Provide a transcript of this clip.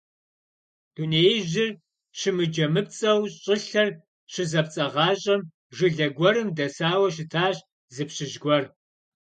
Дунеижьыр щымыджэмыпцӀэу щӀылъэр щызэпцӀагъащӀэм жылэ гуэрым дэсауэ щытащ зы пщыжь гуэр.